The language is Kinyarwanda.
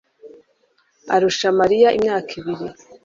arusha mariya imyaka ibiri